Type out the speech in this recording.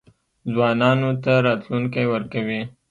ځوانانو ته راتلونکی ورکوي.